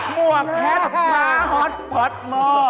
หมวกแคทม้าฮอตพอร์ตมอร์